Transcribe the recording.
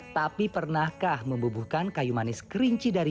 tapi pernahkah membubuhkan kayu manis kerinci dari